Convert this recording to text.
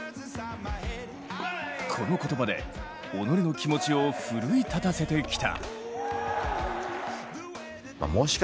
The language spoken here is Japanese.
この言葉で己の気持ちを奮い立たせてきた。